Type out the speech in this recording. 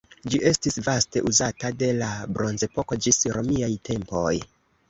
Ĝi estis vaste uzata de la bronzepoko ĝis romiaj tempoj.